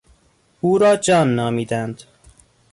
او را جان نامیدند.